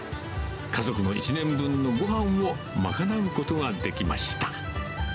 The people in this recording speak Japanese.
家族の１年分のごはんを賄うことができました。